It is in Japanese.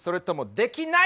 できない。